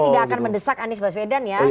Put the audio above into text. jadi partai tidak akan mendesak anies baswedan ya